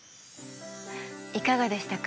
いかがでしたか？